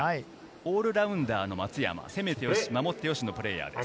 オールラウンダーの松山、攻めてよし、守ってよしのプレーヤーです。